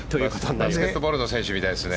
バスケットボールの選手みたいですね。